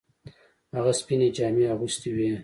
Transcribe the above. هغه سپینې جامې اغوستې وې.